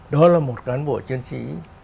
đó là một cán bộ chiến sĩ